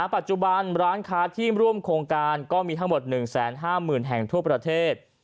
ปัจจุบันร้านค้าที่ร่วมโครงการก็มีทั้งหมด๑๕๐๐๐แห่งทั่วประเทศ